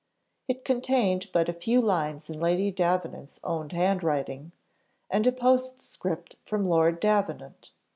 It contained but a few lines in Lady Davenant's own handwriting, and a postscript from Lord Davenant.